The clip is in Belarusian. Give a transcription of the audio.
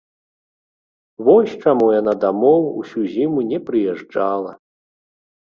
Вось чаму яна дамоў усю зіму не прыязджала.